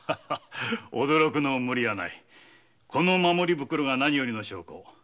驚くのも無理はないこの守り袋が何よりの証拠。